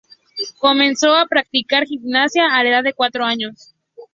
Comenzó a practicar gimnasia a la edad de cuatro años.